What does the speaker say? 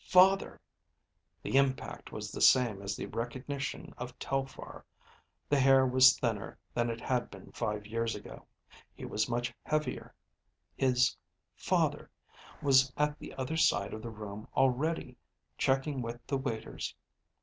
Father! The impact was the same as the recognition of Telphar. The hair was thinner than it had been five years ago. He was much heavier. His father was at the other side of the room already, checking with the waiters.